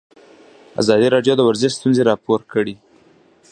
ازادي راډیو د ورزش ستونزې راپور کړي.